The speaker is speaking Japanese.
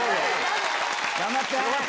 頑張って！